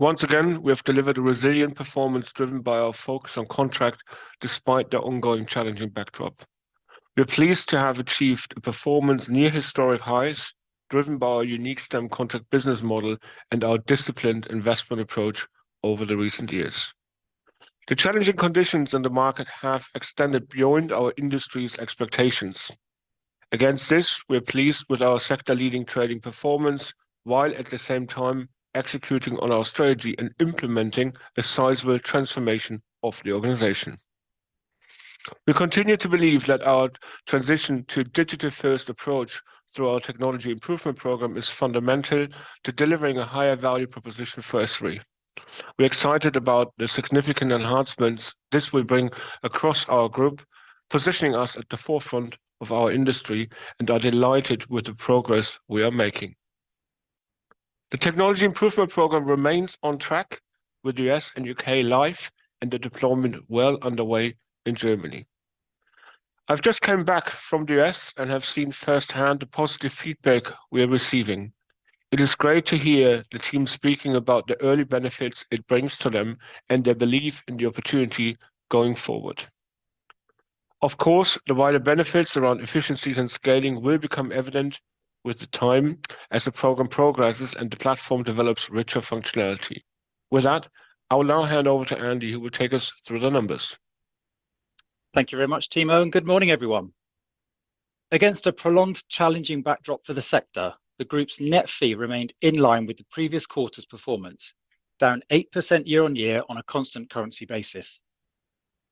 Once again, we have delivered a resilient performance driven by our focus on contract despite the ongoing challenging backdrop. We're pleased to have achieved a performance near historic highs, driven by our unique STEM contract business model and our disciplined investment approach over the recent years. The challenging conditions in the market have extended beyond our industry's expectations. Against this, we're pleased with our sector-leading trading performance, while at the same time executing on our strategy and implementing a sizable transformation of the organization. We continue to believe that our transition to digital-first approach through our Technology Improvement Programme is fundamental to delivering a higher value proposition for SThree. We're excited about the significant enhancements this will bring across our group, positioning us at the forefront of our industry, and are delighted with the progress we are making. The Technology Improvement Programme remains on track with the U.S. and U.K. live, and the deployment well underway in Germany. I've just come back from the U.S. and have seen firsthand the positive feedback we are receiving. It is great to hear the team speaking about the early benefits it brings to them and their belief in the opportunity going forward. Of course, the wider benefits around efficiencies and scaling will become evident with the time as the program progresses and the platform develops richer functionality. With that, I will now hand over to Andy, who will take us through the numbers. Thank you very much, Timo, and good morning, everyone. Against a prolonged, challenging backdrop for the sector, the group's net fee remained in line with the previous quarter's performance, down 8% year-on-year on a constant currency basis.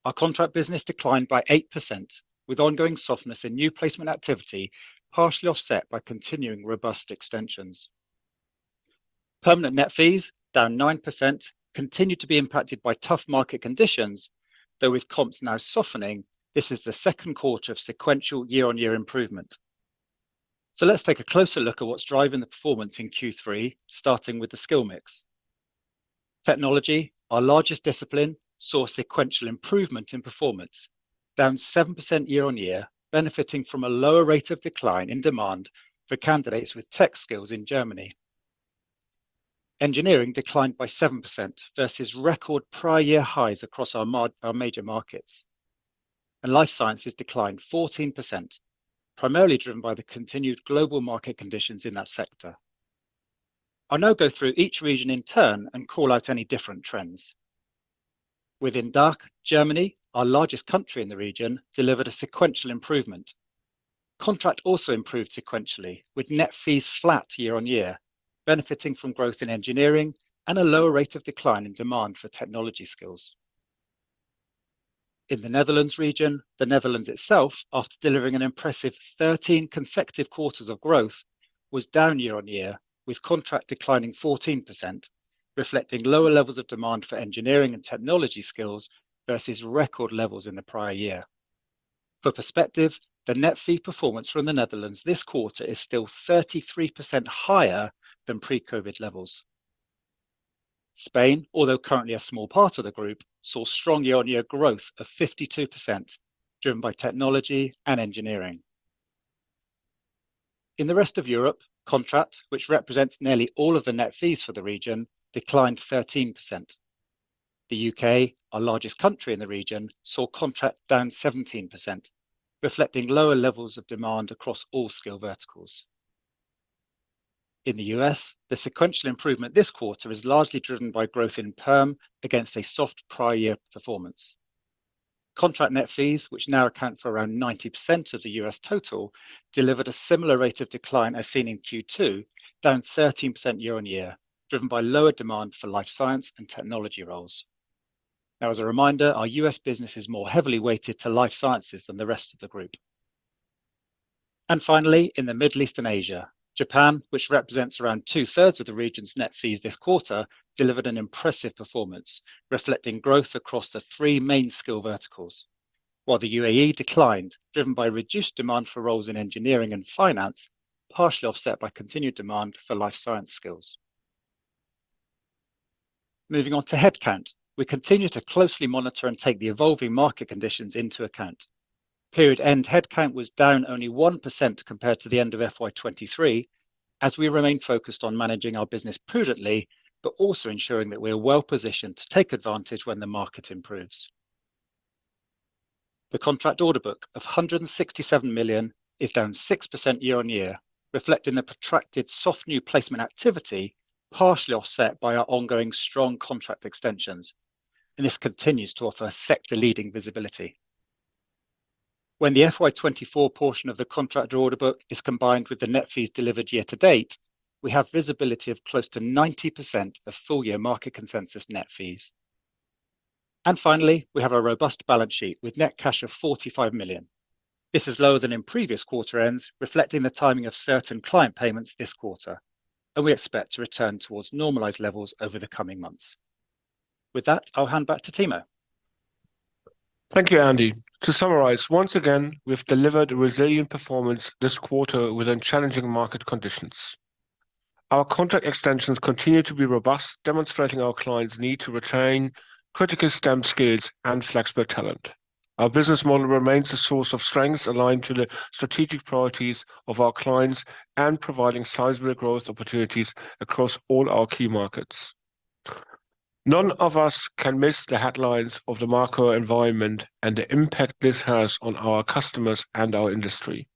Our contract business declined by 8%, with ongoing softness in new placement activity, partially offset by continuing robust extensions. Permanent net fees, down 9%, continued to be impacted by tough market conditions, though with comps now softening, this is the Q2 of sequential year-on-year improvement. So let's take a closer look at what's driving the performance in Q3, starting with the skill mix. Technology, our largest discipline, saw sequential improvement in performance, down 7% year-on-year, benefiting from a lower rate of decline in demand for candidates with tech skills in Germany. Engineering declined by 7% versus record prior year highs across our major markets, and life sciences declined 14%, primarily driven by the continued global market conditions in that sector. I'll now go through each region in turn and call out any different trends. Within DACH, Germany, our largest country in the region, delivered a sequential improvement. Contract also improved sequentially, with net fees flat year-on-year, benefiting from growth in engineering and a lower rate of decline in demand for technology skills. In the Netherlands region, the Netherlands itself, after delivering an impressive 13 consecutive quarters of growth, was down year-on-year, with contract declining 14%, reflecting lower levels of demand for engineering and technology skills versus record levels in the prior year. For perspective, the net fee performance from the Netherlands this quarter is still 33% higher than pre-COVID levels. Spain, although currently a small part of the group, saw strong year-on-year growth of 52%, driven by technology and engineering. In the rest of Europe, contract, which represents nearly all of the net fees for the region, declined 13%. The U.K., our largest country in the region, saw contract down 17%, reflecting lower levels of demand across all skill verticals. In the U.S., the sequential improvement this quarter is largely driven by growth in perm against a soft prior year performance. Contract net fees, which now account for around 90% of the U.S. total, delivered a similar rate of decline as seen in Q2, down 13% year-on-year, driven by lower demand for life science and technology roles. Now, as a reminder, our U.S. business is more heavily weighted to life sciences than the rest of the group. Finally, in the Middle East and Asia, Japan, which represents around two-thirds of the region's net fees this quarter, delivered an impressive performance, reflecting growth across the three main skill verticals, while the UAE declined, driven by reduced demand for roles in engineering and finance, partially offset by continued demand for life science skills. Moving on to headcount. We continue to closely monitor and take the evolving market conditions into account. Period end headcount was down only 1% compared to the end of FY 2023, as we remain focused on managing our business prudently, but also ensuring that we are well-positioned to take advantage when the market improves. The contract order book of 167 million is down 6% year-on-year, reflecting the protracted soft new placement activity, partially offset by our ongoing strong contract extensions, and this continues to offer sector-leading visibility. When the FY twenty-four portion of the contract order book is combined with the net fees delivered year to date, we have visibility of close to 90% of full-year market consensus net fees. And finally, we have a robust balance sheet with net cash of 45 million. This is lower than in previous quarter ends, reflecting the timing of certain client payments this quarter, and we expect to return towards normalized levels over the coming months. With that, I'll hand back to Timo. Thank you, Andy. To summarize, once again, we've delivered a resilient performance this quarter within challenging market conditions. Our contract extensions continue to be robust, demonstrating our clients' need to retain critical STEM skills and flexible talent. Our business model remains a source of strength aligned to the strategic priorities of our clients and providing sizable growth opportunities across all our key markets. None of us can miss the headlines of the macro environment and the impact this has on our customers and our industry.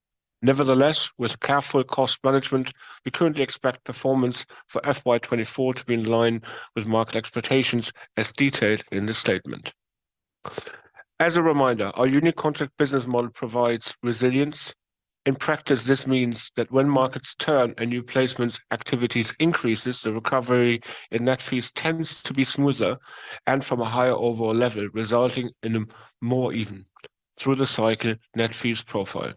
Nevertheless, with careful cost management, we currently expect performance for FY 2024 to be in line with market expectations, as detailed in this statement. As a reminder, our unique contract business model provides resilience. In practice, this means that when markets turn and new placements activities increases, the recovery in net fees tends to be smoother and from a higher overall level, resulting in a more even through the cycle net fees profile.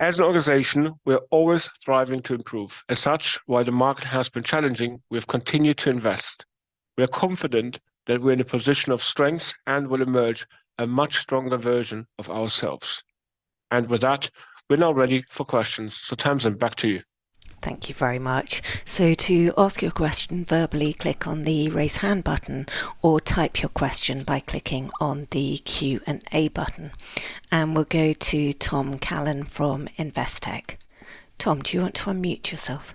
As an organization, we are always striving to improve. As such, while the market has been challenging, we have continued to invest. We are confident that we are in a position of strength and will emerge a much stronger version of ourselves. And with that, we're now ready for questions. So Tamsin, back to you. Thank you very much. So to ask your question verbally, click on the Raise Hand button or type your question by clicking on the Q & A button. And we'll go to Tom Callan from Investec. Tom, do you want to unmute yourself?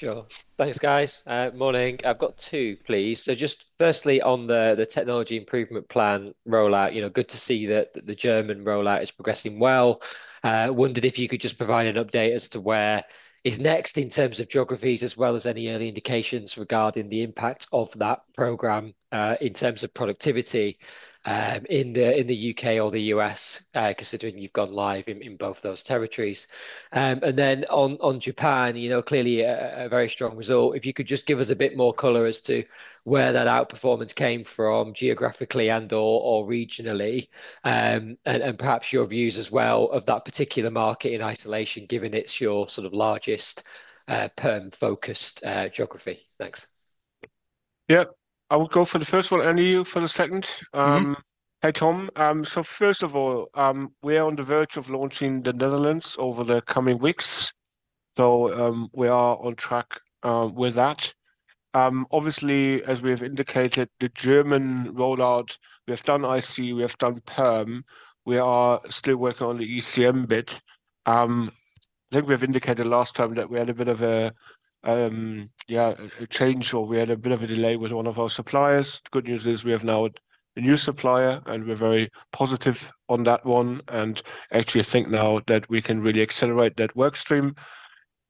Sure. Thanks, guys. Morning. I've got two, please. So just firstly, on the technology improvement plan rollout, you know, good to see that the German rollout is progressing well. Wondered if you could just provide an update as to where is next in terms of geographies, as well as any early indications regarding the impact of that program, in terms of productivity, in the U.K. or the U.S., considering you've gone live in both those territories. And then on Japan, you know, clearly a very strong result. If you could just give us a bit more color as to where that outperformance came from geographically and/or regionally. And perhaps your views as well of that particular market in isolation, given it's your sort of largest perm-focused geography. Thanks. Yeah. I will go for the first one, Andy, you for the second. Mm-hmm. Hi, Tom. So first of all, we are on the verge of launching the Netherlands over the coming weeks. So, we are on track with that. Obviously, as we have indicated, the German rollout, we have done IC, we have done perm. We are still working on the ECM bit. I think we have indicated last time that we had a bit of a, yeah, a change, or we had a bit of a delay with one of our suppliers. The good news is we have now a new supplier, and we're very positive on that one, and actually think now that we can really accelerate that work stream.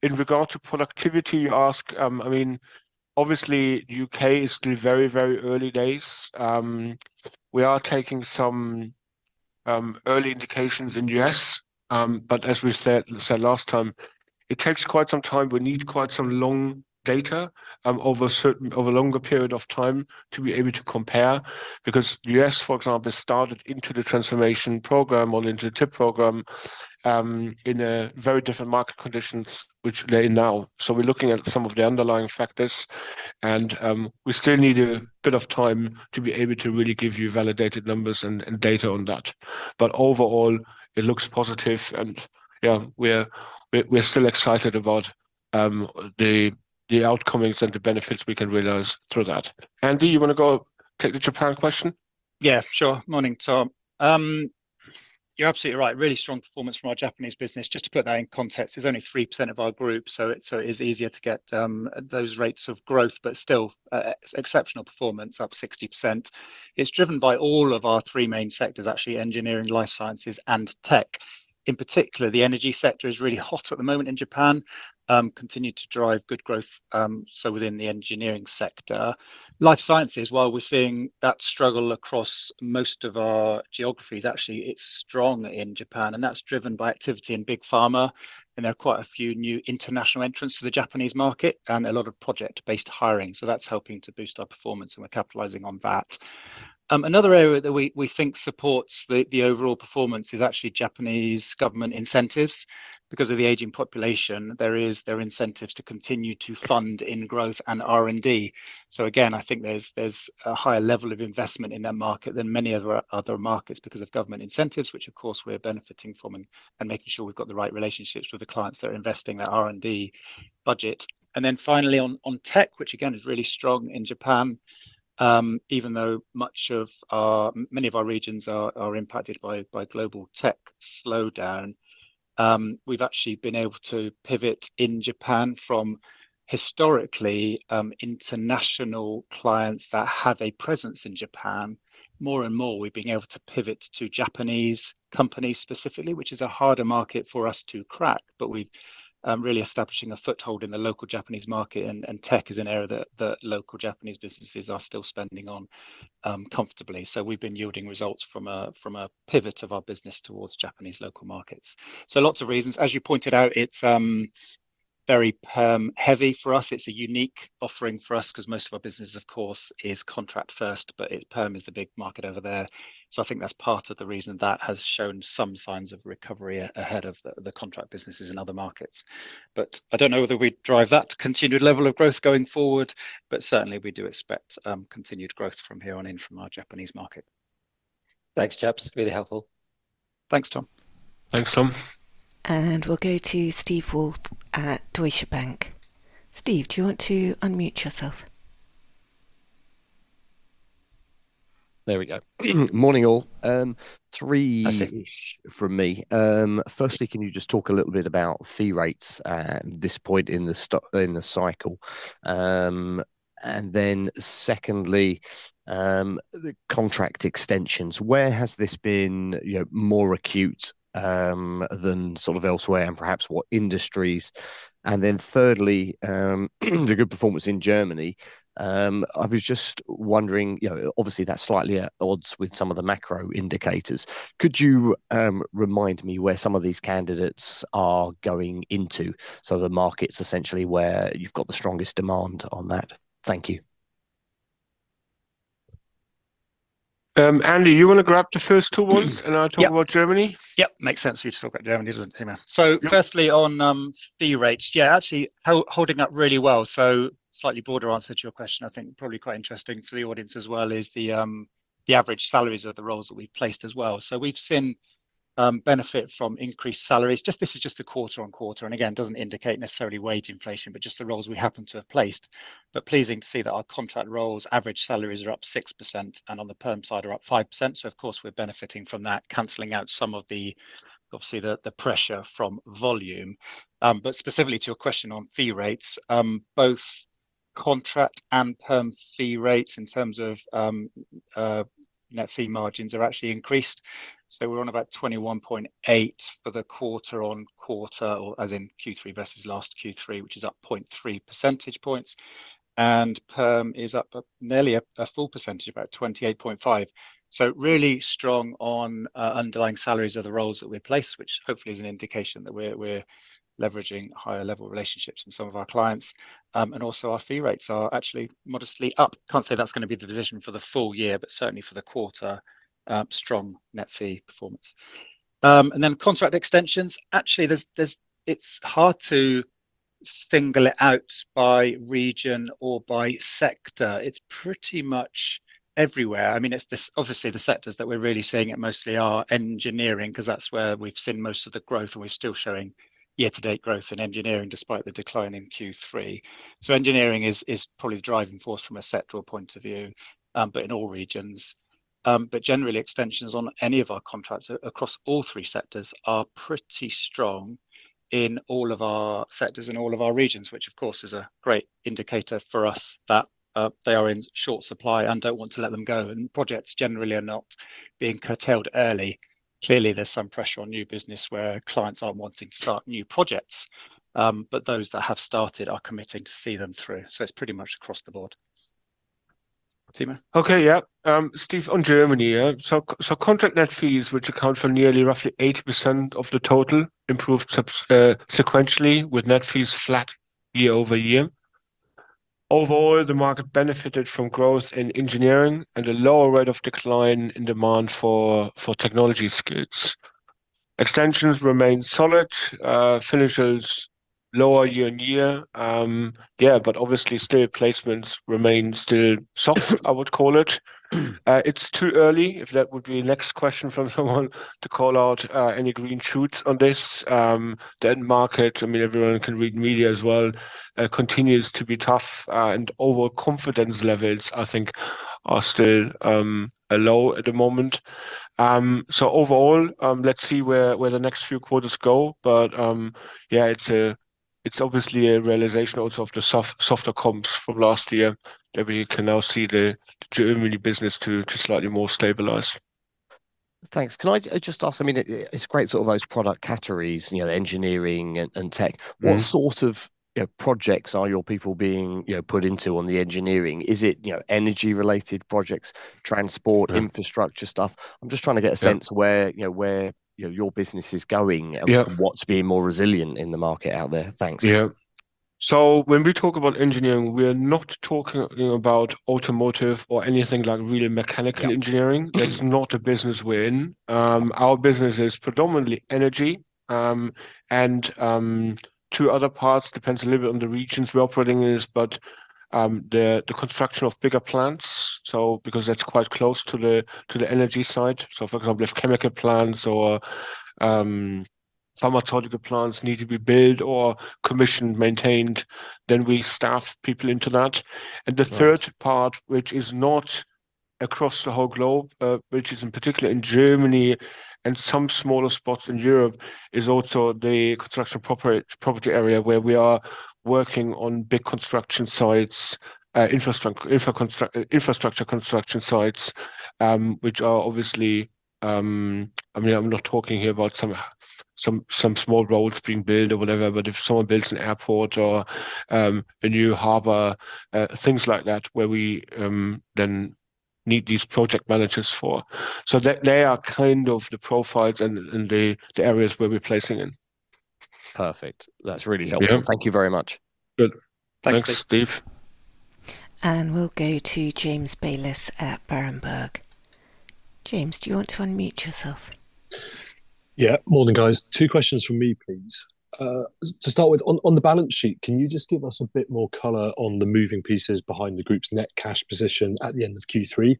In regard to productivity, you ask, I mean, obviously, UK is still very, very early days. We are taking some early indications in US, but as we said last time, it takes quite some time. We need quite some long data over a longer period of time to be able to compare, because US, for example, started into the transformation program or into the TIP program in a very different market conditions, which they're in now. So we're looking at some of the underlying factors, and we still need a bit of time to be able to really give you validated numbers and data on that. But overall, it looks positive, and yeah, we're still excited about the outcomes and the benefits we can realize through that. Andy, you want to go take the Japan question? Yeah, sure. Morning, Tom. You're absolutely right. Really strong performance from our Japanese business. Just to put that in context, it's only 3% of our group, so it is easier to get those rates of growth, but still, exceptional performance, up 60%. It's driven by all of our three main sectors, actually, engineering, life sciences, and tech. In particular, the energy sector is really hot at the moment in Japan continued to drive good growth, so within the engineering sector. Life sciences, while we're seeing that struggle across most of our geographies, actually, it's strong in Japan, and that's driven by activity in big pharma, and there are quite a few new international entrants to the Japanese market and a lot of project-based hiring, so that's helping to boost our performance, and we're capitalizing on that. Another area that we think supports the overall performance is actually Japanese government incentives. Because of the aging population, there are incentives to continue to fund in growth and R&D. So again, I think there's a higher level of investment in that market than many other markets because of government incentives, which of course we're benefiting from and making sure we've got the right relationships with the clients that are investing their R&D budget. And then finally, on tech, which again, is really strong in Japan, even though many of our regions are impacted by global tech slowdown, we've actually been able to pivot in Japan from historically international clients that have a presence in Japan. More and more, we've been able to pivot to Japanese companies specifically, which is a harder market for us to crack, but we've really establishing a foothold in the local Japanese market, and tech is an area that local Japanese businesses are still spending on comfortably. So we've been yielding results from a pivot of our business towards Japanese local markets. So lots of reasons. As you pointed out, it's very perm heavy for us. It's a unique offering for us, 'cause most of our business, of course, is contract first, but it, perm is the big market over there. So I think that's part of the reason that has shown some signs of recovery ahead of the contract businesses in other markets. But I don't know whether we'd drive that continued level of growth going forward, but certainly, we do expect continued growth from here on in from our Japanese market. Thanks, chaps. Really helpful.... Thanks, Tom. Thanks, Tom. And we'll go to Steve Wolf at Deutsche Bank. Steve, do you want to unmute yourself? There we go. Morning, all. That's it... from me. Firstly, can you just talk a little bit about fee rates at this point in the cycle? And then secondly, the contract extensions, where has this been, you know, more acute than sort of elsewhere, and perhaps what industries? And then thirdly, the good performance in Germany, I was just wondering, you know, obviously, that's slightly at odds with some of the macro indicators. Could you remind me where some of these candidates are going into? So the markets essentially where you've got the strongest demand on that. Thank you. Andy, you want to grab the first two ones? Yep. - and I'll talk about Germany? Yep, makes sense for you to talk about Germany, doesn't it, yeah. Yeah. Firstly, on fee rates, yeah, actually holding up really well. Slightly broader answer to your question, I think probably quite interesting for the audience as well, is the average salaries of the roles that we've placed as well. We've seen benefit from increased salaries. This is just a quarter on quarter, and again, doesn't indicate necessarily wage inflation, but just the roles we happen to have placed. Pleasing to see that our contract roles average salaries are up 6%, and on the perm side are up 5%. Of course, we're benefiting from that, canceling out some of the, obviously, the pressure from volume. Specifically to your question on fee rates, both contract and perm fee rates in terms of net fee margins are actually increased. So we're on about 21.8 for the quarter on quarter, or as in Q3 versus last Q3, which is up 0.3 percentage points, and perm is up nearly a full percentage, about 28.5. So really strong on underlying salaries of the roles that we place, which hopefully is an indication that we're leveraging higher level relationships in some of our clients. And also, our fee rates are actually modestly up. Can't say that's going to be the position for the full year, but certainly for the quarter, strong net fee performance. And then contract extensions, actually, there's... It's hard to single it out by region or by sector. It's pretty much everywhere. I mean, it's this obviously, the sectors that we're really seeing it mostly are engineering, 'cause that's where we've seen most of the growth, and we're still showing year-to-date growth in engineering, despite the decline in Q3. So engineering is probably the driving force from a sectoral point of view, but in all regions. But generally, extensions on any of our contracts across all three sectors are pretty strong in all of our sectors, in all of our regions, which of course, is a great indicator for us that they are in short supply and don't want to let them go, and projects generally are not being curtailed early. Clearly, there's some pressure on new business where clients aren't wanting to start new projects, but those that have started are committing to see them through. So it's pretty much across the board. Timo? Okay, yeah. Steve, on Germany, yeah, so contract net fees, which account for nearly roughly 80% of the total, improved sequentially, with net fees flat year over year. Overall, the market benefited from growth in engineering and a lower rate of decline in demand for technology skills. Extensions remained solid, finishes lower year on year. Yeah, but obviously, still placements remain still soft, I would call it. It's too early, if that would be next question from someone, to call out any green shoots on this. The end market, I mean, everyone can read media as well, continues to be tough, and order confidence levels, I think, are still low at the moment. So overall, let's see where the next few quarters go. Yeah, it's obviously a realization also of the softer comps from last year that we can now see the Germany business to slightly more stabilize. Thanks. Can I just ask? I mean, it's great sort of those product categories, you know, engineering and tech. Mm-hmm. What sort of, you know, projects are your people being, you know, put into on the engineering? Is it, you know, energy-related projects, transport- Yeah... infrastructure stuff? I'm just trying to get a sense- Yeah... where, you know, your business is going- Yeah... and what's being more resilient in the market out there. Thanks. Yeah. So when we talk about engineering, we're not talking about automotive or anything like really mechanical engineering. Yeah. That's not a business we're in. Our business is predominantly energy, and two other parts, depends a little bit on the regions we're operating in, but the construction of bigger plants, so because that's quite close to the energy side. So for example, if chemical plants or pharmaceutical plants need to be built or commissioned, maintained, then we staff people into that. Right. And the third part, which is not across the whole globe, which is in particular in Germany and some smaller spots in Europe, is also the construction property area, where we are working on big construction sites, infrastructure construction sites, which are obviously. I mean, I'm not talking here about some small roads being built or whatever, but if someone builds an airport or a new harbor, things like that, where we then need these project managers for. So they are kind of the profiles and the areas where we're placing in. Perfect. That's really helpful. Yeah. Thank you very much. Good. Thanks, Steve. Thanks, Steve. We'll go to James Bayliss at Berenberg. James, do you want to unmute yourself? Yeah. Morning, guys. Two questions from me, please. To start with, on the balance sheet, can you just give us a bit more color on the moving pieces behind the group's net cash position at the end of Q3?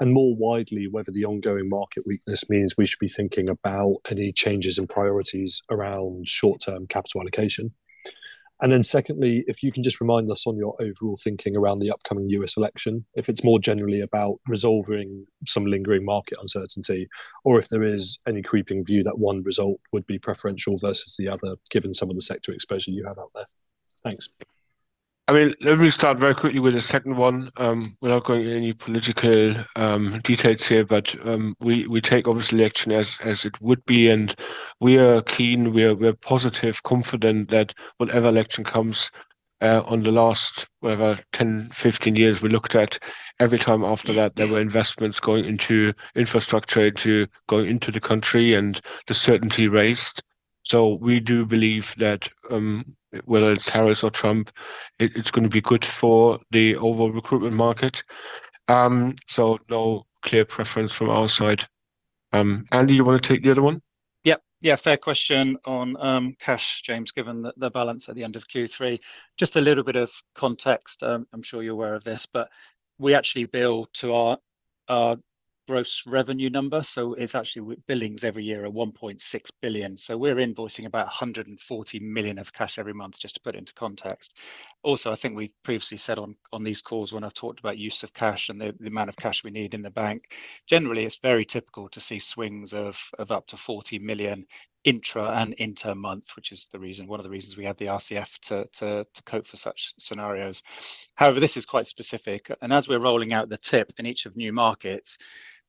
And more widely, whether the ongoing market weakness means we should be thinking about any changes in priorities around short-term capital allocation. And then secondly, if you can just remind us on your overall thinking around the upcoming US election, if it's more generally about resolving some lingering market uncertainty, or if there is any creeping view that one result would be preferential versus the other, given some of the sector exposure you have out there. Thanks. I mean, let me start very quickly with the second one. Without going into any political details here, but we take obviously election as it would be, and we are keen, positive, confident that whatever election comes, on the last, whatever, 10, 15 years we looked at, every time after that, there were investments going into infrastructure, to go into the country, and the certainty raised. So we do believe that whether it's Harris or Trump, it's gonna be good for the overall recruitment market. So no clear preference from our side. Andy, you wanna take the other one? Yep. Yeah, fair question on cash, James, given the balance at the end of Q3. Just a little bit of context. I'm sure you're aware of this, but we actually bill to our gross revenue number, so it's actually billings every year are 1.6 billion. So we're invoicing about 140 million in cash every month, just to put it into context. Also, I think we've previously said on these calls, when I've talked about use of cash and the amount of cash we need in the bank, generally, it's very typical to see swings of up to 40 million intra and inter month, which is the reason, one of the reasons we had the RCF to cope for such scenarios. However, this is quite specific, and as we're rolling out the TIP in each of new markets,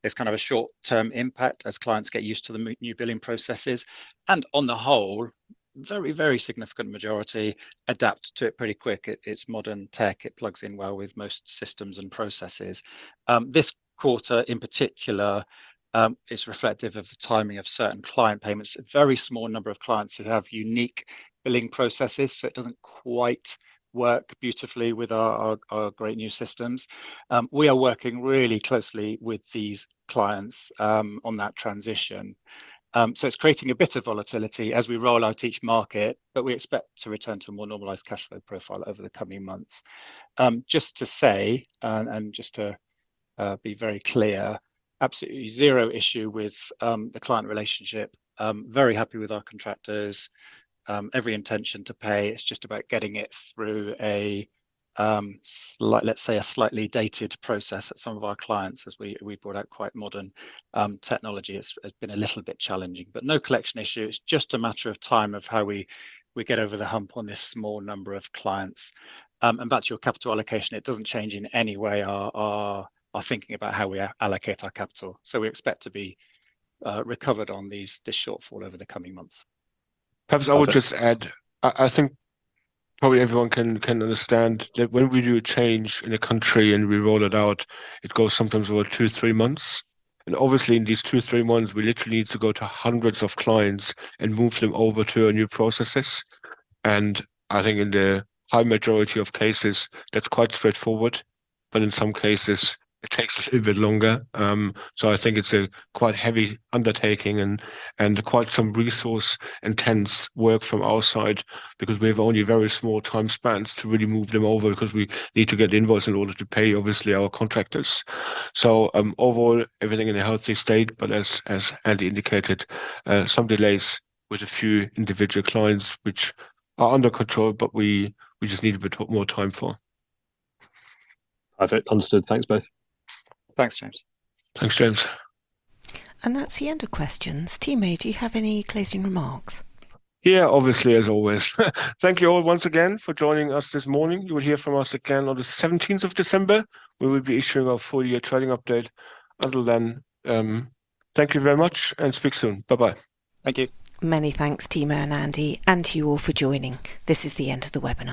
there's kind of a short-term impact as clients get used to the new billing processes, and on the whole, very, very significant majority adapt to it pretty quick. It's modern tech. It plugs in well with most systems and processes. This quarter, in particular, is reflective of the timing of certain client payments, a very small number of clients who have unique billing processes, so it doesn't quite work beautifully with our great new systems. We are working really closely with these clients on that transition, so it's creating a bit of volatility as we roll out to each market, but we expect to return to a more normalized cash flow profile over the coming months. Just to say, and just to be very clear, absolutely zero issue with the client relationship. Very happy with our contractors. Every intention to pay, it's just about getting it through a let's say, a slightly dated process at some of our clients, as we brought out quite modern technology has been a little bit challenging, but no collection issue. It's just a matter of time of how we get over the hump on this small number of clients. About your capital allocation, it doesn't change in any way our thinking about how we allocate our capital. So we expect to be recovered on this shortfall over the coming months. Perhaps I would just add, I think probably everyone can understand that when we do a change in a country and we roll it out, it goes sometimes over two, three months. And obviously, in these two, three months, we literally need to go to hundreds of clients and move them over to our new processes. And I think in the high majority of cases, that's quite straightforward, but in some cases, it takes a little bit longer. So I think it's a quite heavy undertaking and quite some resource-intense work from our side because we have only very small time spans to really move them over, 'cause we need to get the invoice in order to pay, obviously, our contractors. Overall, everything in a healthy state, but as Andy indicated, some delays with a few individual clients, which are under control, but we just need a bit more time for. Perfect. Understood. Thanks, both. Thanks, James. Thanks, James. That's the end of questions. Timo, do you have any closing remarks? Yeah, obviously, as always. Thank you all once again for joining us this morning. You will hear from us again on the seventeenth of December. We will be issuing our full year trading update. Until then, thank you very much, and speak soon. Bye-bye. Thank you. Many thanks, Timo and Andy, and to you all for joining. This is the end of the webinar.